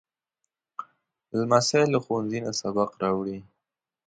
لمسی له ښوونځي نه سبق راوړي.